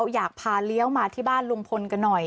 อยากพาเลี้ยวมาที่บ้านลุงพลกันหน่อย